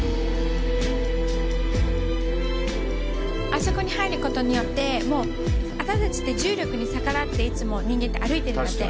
あそこに入ることによって私たちって重力に逆らっていつも人間って歩いてるんだって。